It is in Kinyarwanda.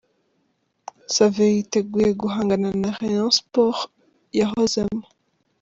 Savio yiteguye guhangana na Rayon Sports yahozemo.